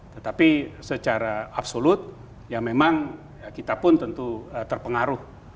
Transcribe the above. tetapi secara absolut ya memang kita pun tentu terpengaruh